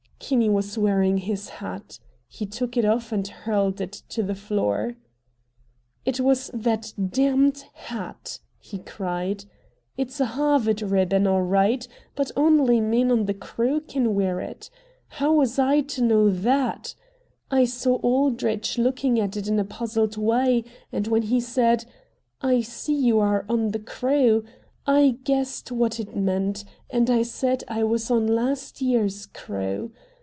Kinney was wearing his hat. He took it off and hurled it to the floor. "It was that damned hat!" he cried. "It's a Harvard ribbon, all right, but only men on the crew can wear it! How was I to know THAT? I saw Aldrich looking at it in a puzzled way, and when he said, 'I see you are on the crew,' I guessed what it meant, and said I was on last year's crew.